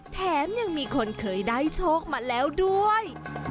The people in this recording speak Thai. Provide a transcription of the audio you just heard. แถมยังมีคนเคยได้โชคมาแล้วด้วย